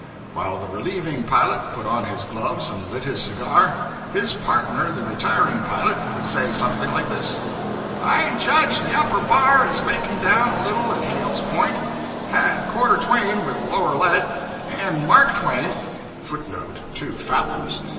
While the relieving pilot put on his gloves and lit his cigar, his partner, the retiring pilot, would say something like this 'I judge the upper bar is making down a little at Hale's Point; had quarter twain with the lower lead and mark twain {footnote [Two fathoms.